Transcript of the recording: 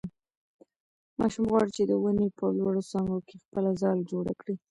ماشوم غواړي چې د ونې په لوړو څانګو کې خپله ځاله جوړه کړي.